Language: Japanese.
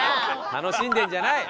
楽しんでるんじゃない！